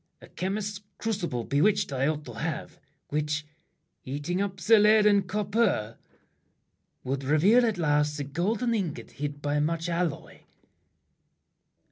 a chemist's crucible Bewitched I ought to have, which, eating up The lead and copper, would reveal at last The golden ingot hid by much alloy.